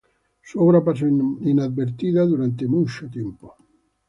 Su obra pasó inadvertida durante mucho tiempo.